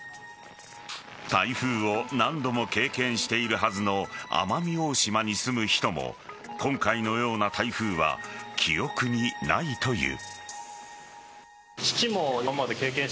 台風を何度も経験しているはずの奄美大島に住む人も今回のような台風は記憶にないという。